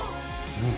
うん。